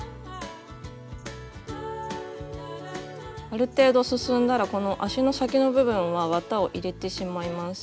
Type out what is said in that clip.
ある程度進んだらこの足の先の部分は綿を入れてしまいます。